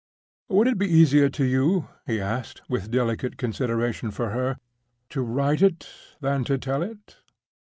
"Would it be easier to you," he asked, with delicate consideration for her, "to write it than to tell it?"